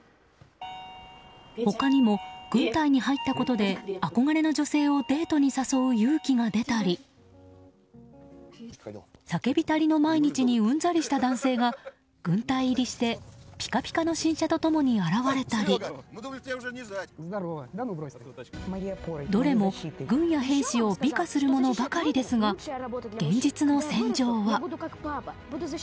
他にも軍隊に入ったことで憧れの女性をデートに誘う勇気が出たり酒浸りの毎日にうんざりした男性が軍隊入りしてピカピカの新車と共に現れたりどれも軍や兵士を美化するものばかりですが現実の戦場は。